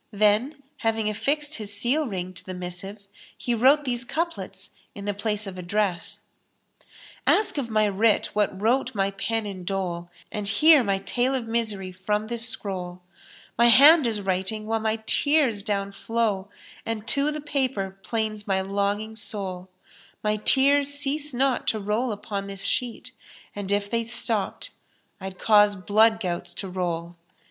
Then, having affixed his seal ring to the missive, he wrote these couplets in the place of address, "Ask of my writ what wrote my pen in dole, * And hear my tale of misery from this scroll; My hand is writing while my tears down flow, * And to the paper 'plains my longing soul: My tears cease not to roll upon this sheet, * And if they stopped I'd cause blood gouts to roll."